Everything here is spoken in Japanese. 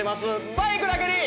バイクだけに！